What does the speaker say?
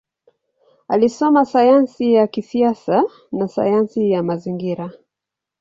Alisoma sayansi ya siasa na sayansi ya mazingira.